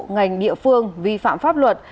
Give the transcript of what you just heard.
ngành địa phương vi phạm pháp luật